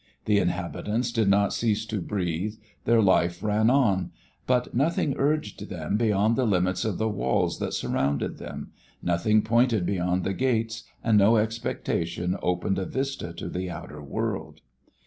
The inhabitants did not cease to breathe, their life ran on; but nothing urged them beyond the limits of the walls that surrounded them, nothing pointed beyond the gates and no expectation opened a vista to the outer world.